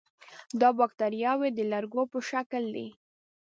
دا باکتریاوې د لرګو په شکل دي.